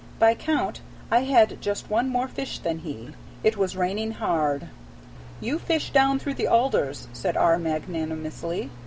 By count I had just one more fish than he. It was raining hard. "You fish down through the alders," said R. magnanimously.